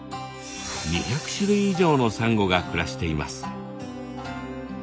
２００種類以上のサンゴが暮らしています。